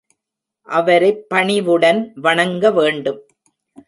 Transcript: அவரைப் பணிவுடன் வணங்க வேண்டும்.